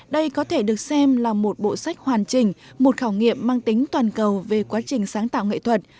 đây có thể được xem là một bộ sách hoàn chỉnh một khảo nghiệm mang tính toàn cầu về quá trình sáng tạo nghệ thuật